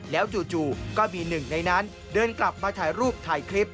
แล้วจู่ก็มีหนึ่งในนั้นเดินกลับมาถ่ายรูปถ่ายคลิป